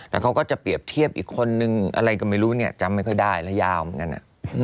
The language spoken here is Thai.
แล้วเขาก็จะเปรียบเทียบอีกคนนึงอะไรก็ไม่รู้เนี่ยจำไม่ค่อยได้แล้วยาวเหมือนกัน